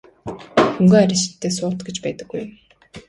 Хөнгөн араншинтай суут гэж байдаггүй юм.